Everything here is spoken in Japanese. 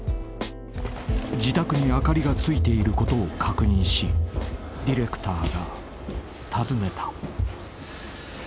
［自宅に灯りがついていることを確認しディレクターが訪ねた］